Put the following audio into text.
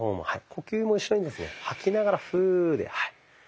呼吸も一緒にですね吐きながらフーではい。